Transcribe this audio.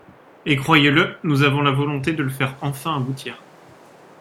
Et croyez-le, nous avons la volonté de le faire enfin aboutir.